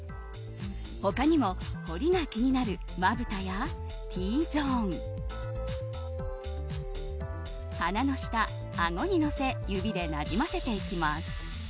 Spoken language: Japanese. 他にも彫りが気になるまぶたやＴゾーン、鼻の下、あごにのせ指でなじませていきます。